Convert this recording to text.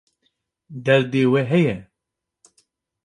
Derdê wê heye.